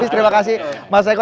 terima kasih mas eko